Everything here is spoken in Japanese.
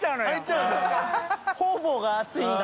きむ）方々が熱いんだ。